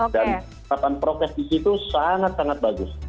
dan tatanan prokes di situ sangat sangat bagus